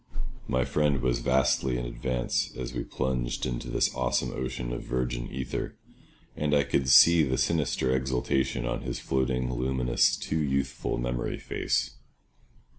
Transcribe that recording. My friend was vastly in advance as we plunged into this awesome ocean of virgin aether, and I could see the sinister exultation on his floating, luminous, too youthful memory face.